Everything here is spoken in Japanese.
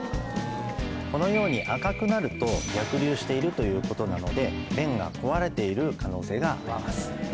このように赤くなると逆流しているということなので弁が壊れている可能性があります。